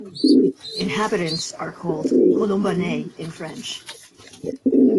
Inhabitants are called "colombanais" in French.